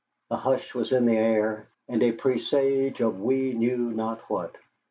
A hush was in the air, and a presage of we knew not what.